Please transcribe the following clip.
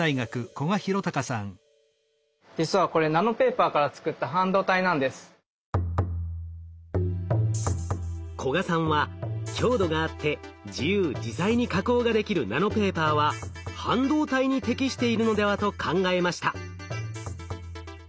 実はこれ古賀さんは強度があって自由自在に加工ができるナノペーパーは半導体に適しているのではと考えました。